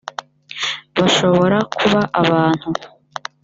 bashobora kuba abantu